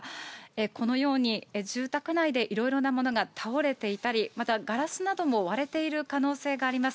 このように、住宅内でいろいろなものが倒れていたり、また、ガラスなども割れている可能性があります。